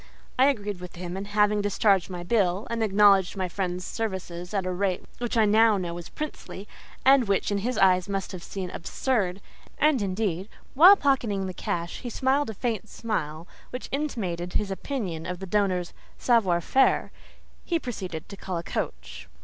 I agreed with him, and having discharged my bill, and acknowledged my friend's services at a rate which I now know was princely, and which in his eyes must have seemed absurd—and indeed, while pocketing the cash, he smiled a faint smile which intimated his opinion of the donor's savoir faire—he proceeded to call a coach.